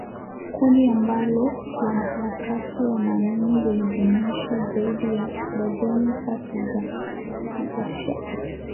Kundi ambalo wanaharakati wanaamini lilijumuisha zaidi ya darzeni tatu za wa-shia.